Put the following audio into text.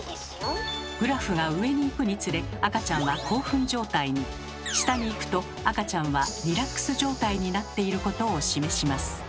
グラフが上に行くにつれ赤ちゃんは興奮状態に下に行くと赤ちゃんはリラックス状態になっていることを示します。